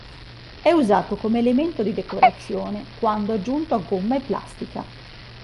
È usato come elemento di decorazione, quando aggiunto a gomma e plastica.